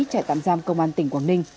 trại tạm giam công an tỉnh quảng ninh